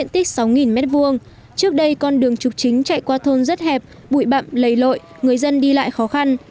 tích sáu m hai trước đây con đường trục chính chạy qua thôn rất hẹp bụi bạm lầy lội người dân đi lại khó khăn